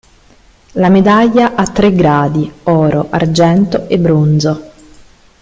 La medaglia ha tre gradi: Oro, Argento e Bronzo.